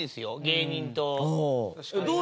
芸人と。